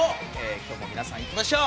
今日も皆さん、行きましょう。